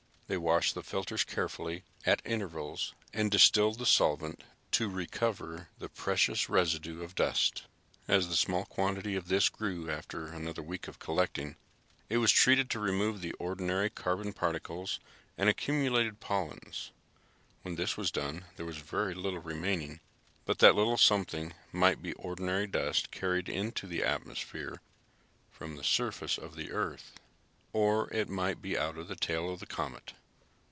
They washed the filters carefully at intervals and distilled the solvent to recover the precious residue of dust. As the small quantity of this grew after another week of collecting, it was treated to remove the ordinary carbon particles and accumulated pollens. When this was done there was very little remaining, but that little something might be ordinary dust carried into the atmosphere from the surface of the Earth. Or it might be out of the tail of the comet.